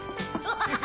ハハハ！